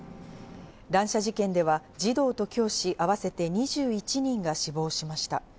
乱射事件では児童と教師、あわせて２１人が死亡しました。